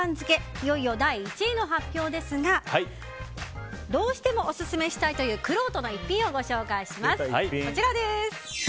いよいよ第１位の発表ですがどうしてもオススメしたいというくろうとの逸品をご紹介します。